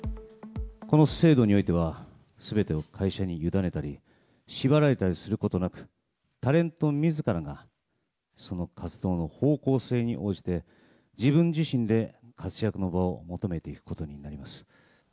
この制度においては、すべてを会社にゆだねたり、縛られたりすることなく、タレントみずからがその活動の方向性に応じて、自分自身で活躍の場を求めていくことになります。